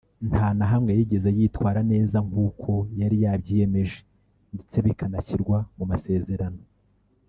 nta na hamwe yigeze yitwara neza nk’uko yari yabyiyemeje ndetse bikanashyirwa mu masezerano